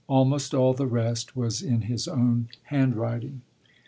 Almost all the rest was in his own handwriting.